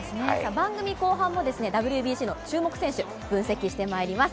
番組後半もＷＢＣの注目選手、分析してまいります。